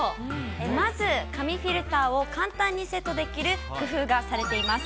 まず紙フィルターを簡単にセットできる工夫がされています。